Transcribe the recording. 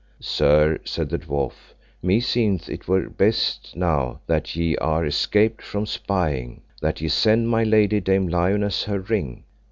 Sir, said the dwarf, meseemeth it were best, now that ye are escaped from spying, that ye send my lady Dame Lionesse her ring.